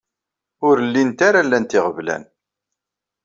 Ur llint ara lant iɣeblan.